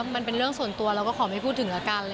มันเป็นเรื่องส่วนตัวเราก็ขอไม่พูดถึงแล้วกัน